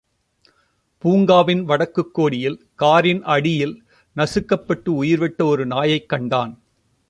பூங்காவின் வடக்குக் கோடியில் காரின் அடியில் நசுக்கப்பட்டு உயிர் விட்ட ஒரு நாயைக் கண்டான்.